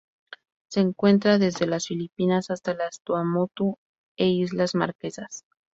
Se encuentra desde las Filipinas hasta las Tuamotu e Islas Marquesas.